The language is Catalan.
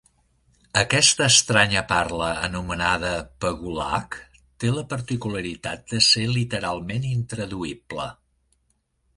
Aquesta estranya parla, anomenada «pagolak», té la particularitat de ser literalment intraduïble.